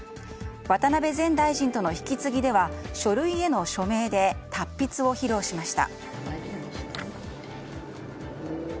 渡辺前大臣との引き継ぎでは書類への署名で達筆を披露しました。